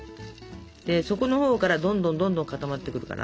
底のほうからどんどんどんどん固まってくるから。